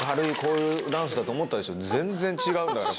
全然違うんだから。